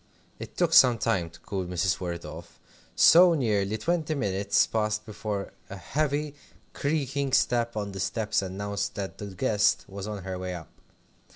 It took some time to cool Mrs. Worrett off, so nearly twenty minutes passed before a heavy, creaking step on the stairs announced that the guest was on her way up.